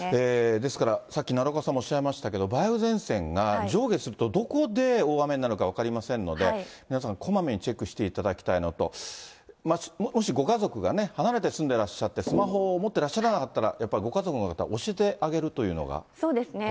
ですから、さっき奈良岡さんもおっしゃいましたけれども、梅雨前線が上下すると、どこで大雨になるか分かりませんので、皆さんこまめにチェックしていただきたいのと、もしご家族が離れて住んでらっしゃって、スマホを持ってらっしゃらなかったら、やっぱりご家族の方、教えてあげるというのが大事ですよね。